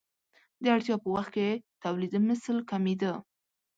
د اړتیا په وخت کې تولیدمثل کمېده.